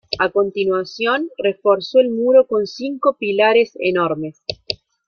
A continuación, reforzó el muro con cinco pilares enormes.